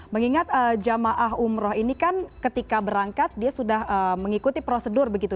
mengingat jemaah umroh ini kan ketika berangkat dia sudah mengikuti prosedur begitu